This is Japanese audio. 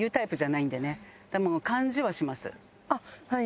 あっはい。